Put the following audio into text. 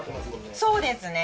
そうですね。